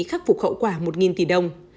khắc phục khẩu quả một tỷ đồng